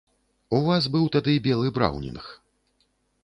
У вас быў тады белы браўнінг.